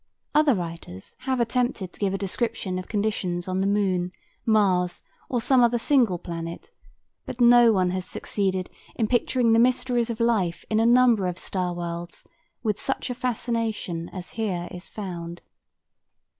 Other writers have attempted to give a description of conditions on the Moon, Mars, or some other single planet, but no one has succeeded in picturing the mysteries of life in a number of star worlds with such a fascination as is here found.